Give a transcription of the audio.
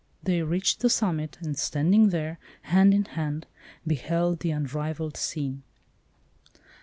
They reached the summit, and standing there, hand in hand, beheld the unrivalled scene.